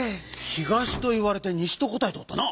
「東」といわれて「西」とこたえておったな！